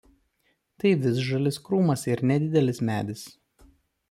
Tai visžalis krūmas ar nedidelis medis.